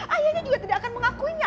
ayahnya juga tidak akan mengakuinya